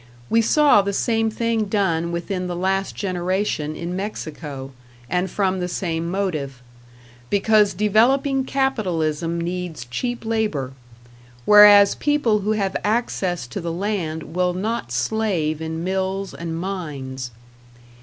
We saw the same thing done within the last generation in Mexico, and from the same motive because developing capitalism needs cheap labor, whereas people who have access to the land will not slave in mills and mines.